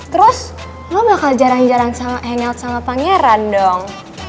terus lo bakal jarang jarang hangelt sama pangeran dong